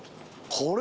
これ！